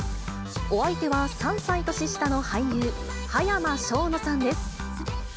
お相手は３歳年下の俳優、葉山奨之さんです。